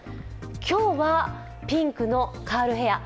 今日は、ピンクのカールヘアー